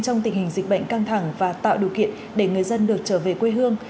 trong tình hình dịch bệnh căng thẳng và tạo điều kiện để người dân được trở về quê hương